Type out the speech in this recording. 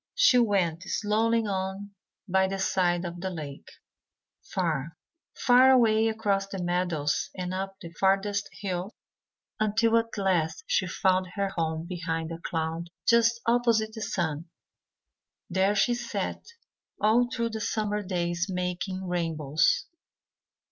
She went slowly on by the side of the lake, far, far away across the meadows and up the farthest hill, until at last she found her home behind a cloud just opposite the sun. There she sat all through the summer days making rainbows.